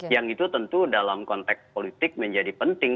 yang itu tentu dalam konteks politik menjadi penting